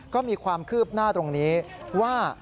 ก็มีความคืบหน้าตรงนี้ว่า